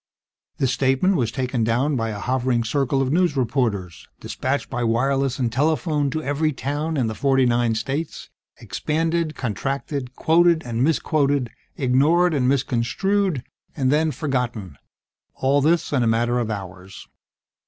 This statement was taken down by a hovering circle of news reporters, dispatched by wireless and telephone to every town in the forty nine states, expanded, contracted, quoted and misquoted, ignored and misconstrued, and then forgotten; all this in a matter of hours.